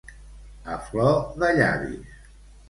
A flor de llavis.